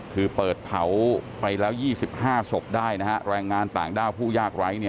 คือเปิดเผาไปแล้ว๒๕ศพได้นะฮะแรงงานต่างด้าวผู้ยากไร้